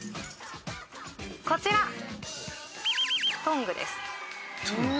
こちら。